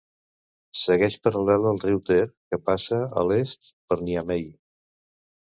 Segueix paral·lela al riu Ter que passa a l'est per Niamey.